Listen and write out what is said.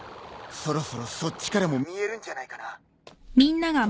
そろそろそっちからも見えるんじゃないかな。